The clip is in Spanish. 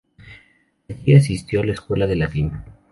Allí asistió a la escuela de latín.